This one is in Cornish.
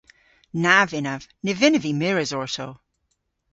Na vynnav. Ny vynnav vy mires orto.